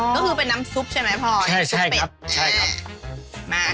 อ๋อก็คือเป็นน้ำซุปใช่ไหมพ่อใช่ใช่ครับใช่ครับมาก